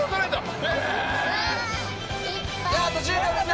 あと１０秒です！